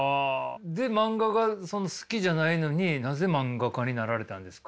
で漫画が好きじゃないのになぜ漫画家になられたんですか？